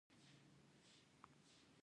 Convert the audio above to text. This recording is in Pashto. ایا مصنوعي ځیرکتیا د زده کړې موخه نه بدلوي؟